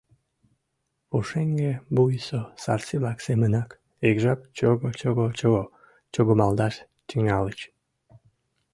Пушеҥге вуйысо сарси-влак семынак, ик жап чого-чого-чого чогымалдаш тӱҥальыч.